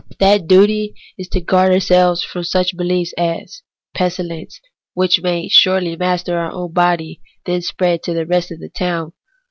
That duty is to guard ourselves from such behefs as from a pestilence, which may shortly master our own body and then spread to the rest of the town.